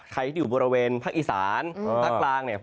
ใครที่อยู่บริเวณภาคอีสานภาคกลางเนี่ย